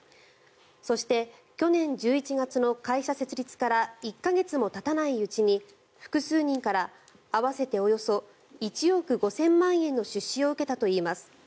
そして、去年１１月の会社設立から１か月もたたないうちに複数人から合わせておよそ１億５０００万円の出資を受けたといいます。